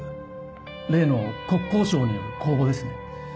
例の国交省による公募ですね。